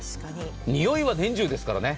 臭いは年中ですからね。